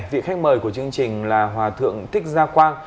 vị khách mời của chương trình là hòa thượng thích gia quang